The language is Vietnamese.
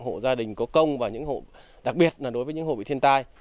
hộ gia đình có công và đặc biệt là đối với những hộ bị thiên tai